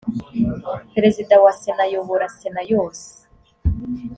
perezida wa sena ayobora sena yose.